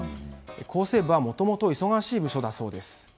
厚生部はもともと忙しい部署だそうです。